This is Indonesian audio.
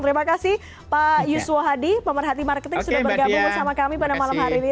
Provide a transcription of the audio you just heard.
terima kasih pak yuswo hadi pemerhati marketing sudah bergabung bersama kami pada malam hari ini